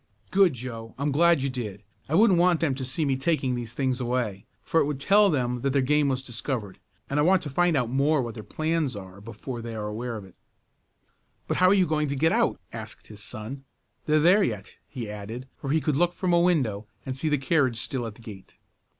"Good, Joe! I'm glad you did. I wouldn't want them to see me taking these things away, for it would tell them that their game was discovered, and I want to find out more of what their plans are before they are aware of it." "But how you going to get out?" asked his son. "They're there yet," he added, for he could look from a window and see the carriage still at the gate.